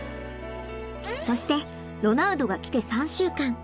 そしてロナウドが来て３週間。